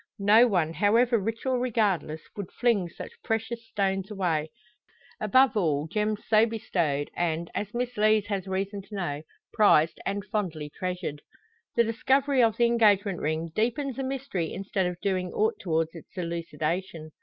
No one, however rich or regardless, would fling such precious stones away; above all, gems so bestowed, and, as Miss Lees has reason to know, prized and fondly treasured. The discovery of the engagement ring deepens the mystery instead of doing aught towards its elucidation.